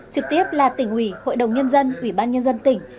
trực tiếp là tỉnh ủy hội đồng nhân dân ủy ban nhân dân tỉnh